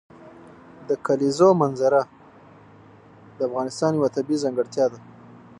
د کلیزو منظره د افغانستان یوه طبیعي ځانګړتیا ده.